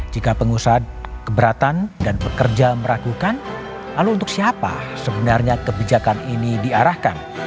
jika pengusaha keberatan dan pekerja meragukan lalu untuk siapa sebenarnya kebijakan ini diarahkan